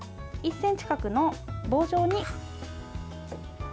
１ｃｍ角の棒状に。